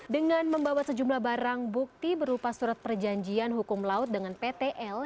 dengan membawa sejumlah barang bukti berupa surat perjanjian hukum laut dengan ptl